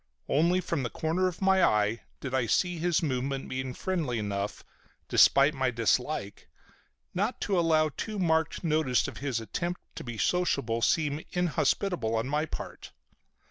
Only from the corner of my eye did I see his movement, being friendly enough, despite my dislike, not to allow too marked notice of his attempt to be sociable seem inhospitable on my part.